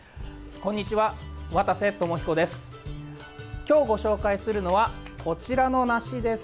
こんにちは、渡瀬智彦です。